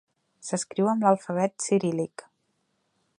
S'escriu amb l'alfabet ciríl·lic.